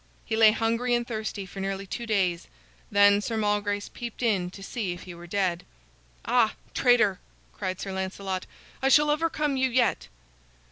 He lay hungry and thirsty for nearly two days. Then Sir Malgrace peeped in to see if he were dead. "Ah, traitor!" cried Sir Lancelot, "I shall overcome you yet."